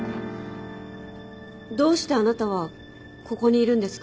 どうしてあなたはここにいるんですか？